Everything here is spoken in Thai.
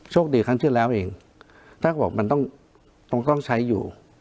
โชคดีครั้งที่แล้วแหล่าเหรอถ้าบอกมันต้องใช้อยู่